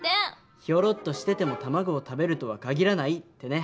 「ヒョロッとしてても卵を食べるとは限らない」ってね。